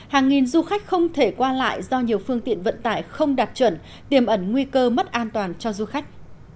hàng nghìn du khách không thể qua lại do nhiều phương tiện vận tải không đạt chuẩn tiềm ẩn nguy cơ mất an toàn cho du khách